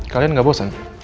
kalian gak bosan